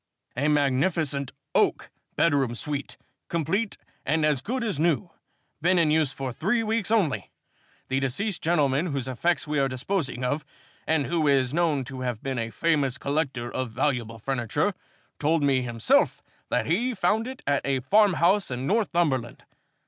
"A magnificent oak bedroom suite, complete and as good as new, been in use for three weeks only. The deceased gentleman whose effects we are disposing of, and who is known to have been a famous collector of valuable furniture, told me himself that he found it at a farmhouse in Northumberland.